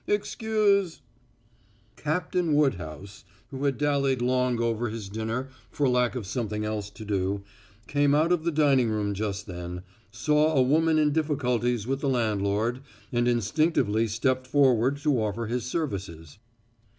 Excuse " Captain Woodhouse, who had dallied long over his dinner for lack of something else to do, came out of the dining room just then, saw a woman in difficulties with the landlord, and instinctively stepped forward to offer his services.